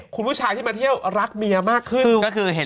คุณผู้ชายที่มาเที่ยวรักเมียมากขึ้น